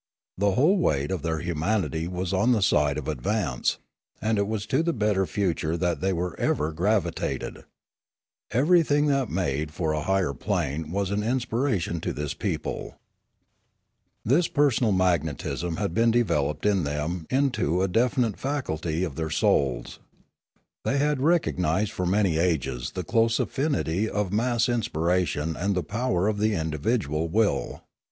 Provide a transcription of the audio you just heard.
The whole weight of their humanity was on the side of advance, and it was to the better future that they ever gravitated. Everything that made for a higher plane was an in spiration to this people. This persona] magnetism had been developed in them into a definite faculty of their souls. They had recognised for many ages the close affinity of mass in spiration and the power of the individual will.